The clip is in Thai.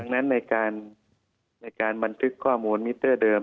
ดังนั้นในการบันทึกข้อมูลมิเตอร์เดิม